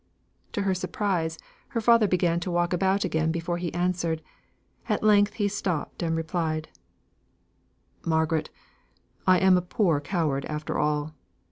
To her surprise, her father began to walk about again before he answered. At length he stopped and replied: "Margaret, I am a poor coward after all.